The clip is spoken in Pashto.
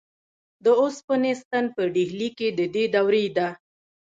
د اوسپنې ستن په ډیلي کې د دې دورې ده.